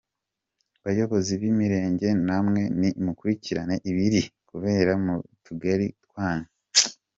Bayobozi b’imirenge namwe nimukurikirane ibiri kubera mu tugari twanyu.